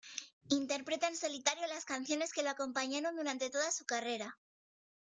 Interpreta en solitario las canciones que lo acompañaron durante toda su carrera.